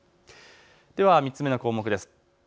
では３つ目の項目です。